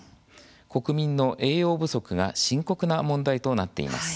国民の栄養不足が深刻な問題となっています。